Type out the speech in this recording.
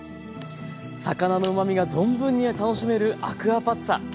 魚のうまみが存分に楽しめるアクアパッツァ。